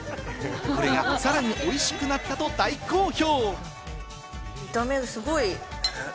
これがさらにおいしくなったと大好評。